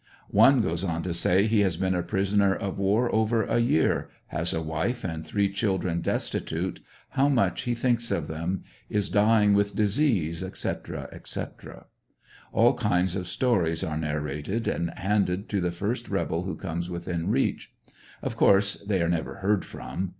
One goes on to say he has been a prisoner of war over a year, has a wife and three children destitute, how much he thinks of them, is dying with disease, etc., etc. All kinds of stories are narrated, and handed to the first rebel who comes within reach. Of course they are never heard from.